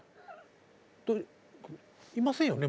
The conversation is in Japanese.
いませんよね？